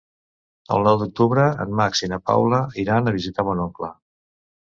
El nou d'octubre en Max i na Paula iran a visitar mon oncle.